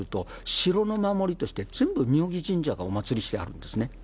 城の守りとして全部、妙義神社がお祀りしてあるんですね。